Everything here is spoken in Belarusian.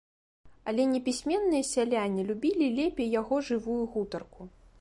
Але непісьменныя сяляне любілі лепей яго жывую гутарку.